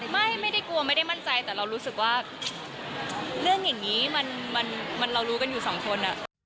ไม่ได้กลัวไม่ได้มั่นใจแต่เรารู้สึกว่าเรื่องอย่างนี้มันเรารู้กันอยู่สองคน